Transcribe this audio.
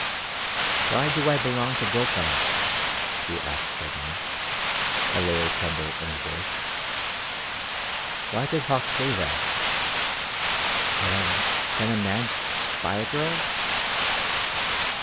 "Why do I belong to Brokaw?" she asked again, a little tremble in her voice. "Why did Hauck say that? Can can a man buy a girl?"